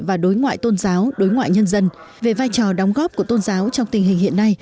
và đối ngoại tôn giáo đối ngoại nhân dân về vai trò đóng góp của tôn giáo trong tình hình hiện nay